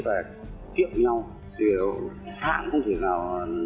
và kiệp nhau thì thạm không thể nào